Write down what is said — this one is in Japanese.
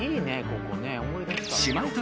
ここね思い出した。